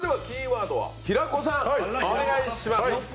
それではキーワードは平子さん、お願いします。